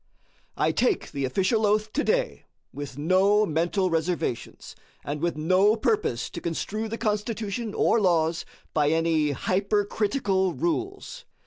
I take the official oath today with no mental reservations, and with no purpose to construe the Constitution or laws by any hypercritical rules.